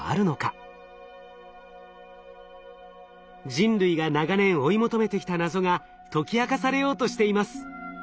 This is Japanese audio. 人類が長年追い求めてきた謎が解き明かされようとしています。